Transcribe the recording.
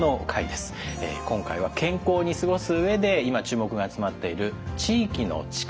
今回は健康に過ごす上で今注目が集まっている「地域の力」。